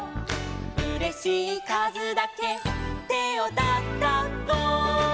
「うれしいかずだけてをたたこ」